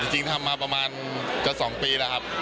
จริงทำมาประมาณเกือบ๒ปีแล้วครับ